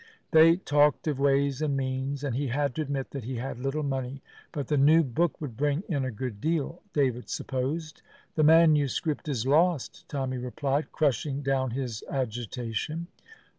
They talked of ways and means, and he had to admit that he had little money. But the new book would bring in a good deal, David supposed. "The manuscript is lost," Tommy replied, crushing down his agitation.